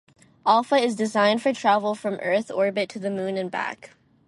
Alpha is designed for travel from Earth orbit to the Moon and back.